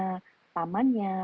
ataupun juga tamannya